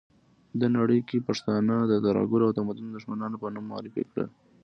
ده نړۍ کې پښتانه د ترهګرو او تمدن دښمنانو په نوم معرفي کړل.